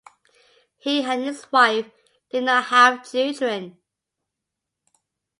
He and his wife did not have children.